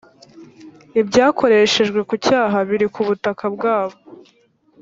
ibyakoreshejwe ku cyaha biri ku butaka bwabo